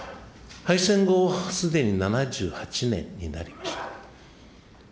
敗戦後、すでに７８年になりました。